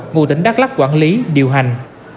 ngũ tỉnh đắk lắc quản lý điều hành